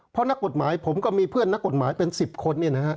เพราะนักกฎหมายผมก็มีเพื่อนนักกฎหมายเป็น๑๐คน